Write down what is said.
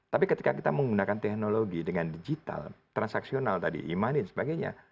tapi ketika kita menggunakan teknologi dengan digital transaksional tadi e money dan sebagainya